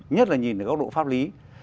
nhất là nhìn được góc độ pháp lý